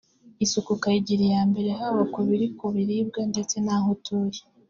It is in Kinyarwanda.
isuku ukayigira iya mbere haba ku mu biri ku biribwa ndetse n’aho utuye